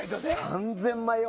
３０００枚よ。